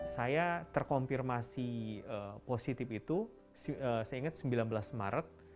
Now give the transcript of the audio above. saya terkonfirmasi positif itu saya ingat sembilan belas maret